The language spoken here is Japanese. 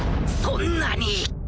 そんなに！